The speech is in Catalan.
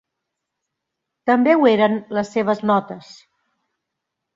També ho eren les seves notes.